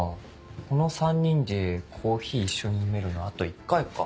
この３人でコーヒー一緒に飲めるのあと１回か。